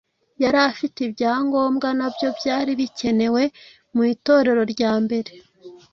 yari afite ibyangombwa nyabyo byari bikenewe mu Itorero rya mbere.